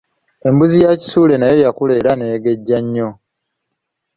Embuzi ya Kisuule nayo yakula era neegejja nnyo.